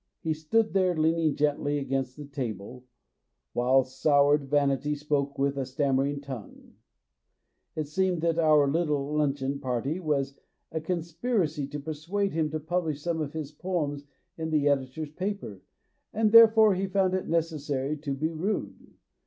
He stood there leaning gently against the table, while soured vanity spoke with a stammering tongue. It seemed that our little limcheon party was a conspiracy to persuade him to publish some of his poems in the editor's paper, and therefore he found it necessary THE POET WHO WAS 221 to be rude.